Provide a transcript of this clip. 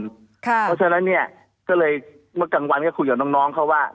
เพราะฉะนั้นเนี่ยก็เลยเมื่อกลางวันก็คุยกับน้องเขาว่า